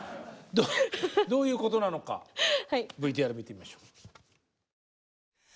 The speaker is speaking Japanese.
どういうことなのかＶＴＲ見てみましょう。